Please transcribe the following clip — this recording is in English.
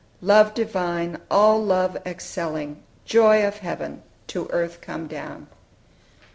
"Love divine, all love excelling; Joy of heaven, to earth come down."